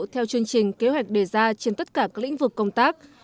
theo chương trình kế hoạch đề ra trên tất cả các lĩnh vực công tác